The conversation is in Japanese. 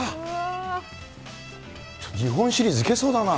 日本シリーズ行けそうだな。